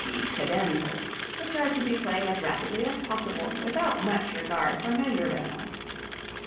g._, cadenzas) which are to be played as rapidly as possible without much regard for measure rhythm.